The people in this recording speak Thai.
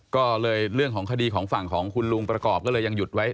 ก็เลยเรื่องของคดีของฝั่งของคุณลุงประกอบก็เลยยังหยุดไว้